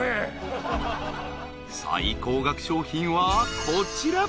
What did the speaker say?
［最高額商品はこちら］